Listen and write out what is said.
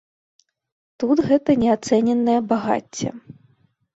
Тут гэта неацэннае багацце!